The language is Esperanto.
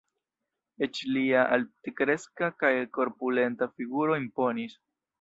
Eĉ lia altkreska kaj korpulenta figuro imponis.